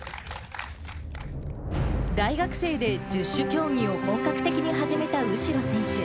大学生で十種競技を本格的に始めた右代選手。